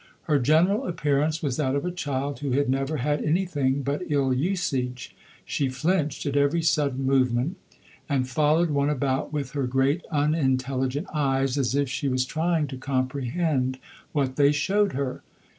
Her general appearance was that of a child who had never had anything but ill usage; she flinched at every sudden movement, and followed one about with her great unintelligent eyes, as if she was trying to comprehend what they showed her.